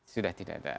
sudah tidak ada